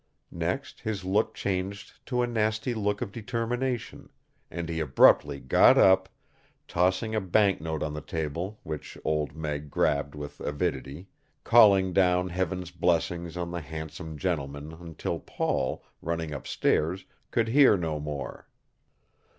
Next his look changed to a nasty look of determination, and he abruptly got up, tossing a bank note on the table which Old Meg grabbed with avidity, calling down Heaven's blessings on the handsome gentleman until Paul, running up stairs, could hear no more.